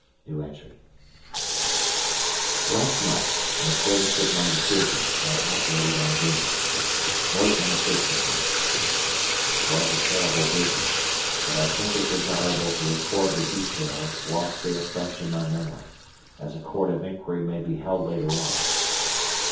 Last night, in accordance with my decision, I operated on Wiener. Voigtman assisted me. It was a terrible business, but I think it desirable to record the details whilst they are fresh in my memory, as a Court of Inquiry may be held later on.